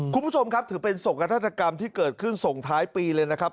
คุณผู้ชมครับถือเป็นศกนาฏกรรมที่เกิดขึ้นส่งท้ายปีเลยนะครับ